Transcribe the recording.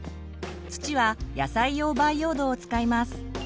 土は野菜用培養土を使います。